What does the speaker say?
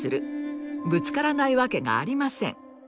ぶつからないわけがありません。